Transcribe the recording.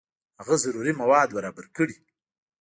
هغه ضروري مواد برابر کړي.